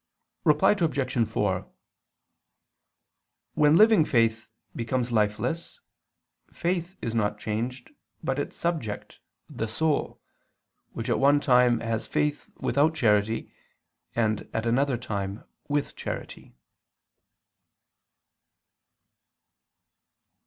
Reply Obj. 4: When living faith becomes lifeless, faith is not changed, but its subject, the soul, which at one time has faith without charity, and at another time, with charity.